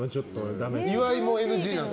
岩井もＮＧなんです。